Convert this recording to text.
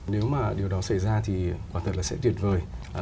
nếu mà điều đó xảy ra thì quả thật là sẽ tuyệt vời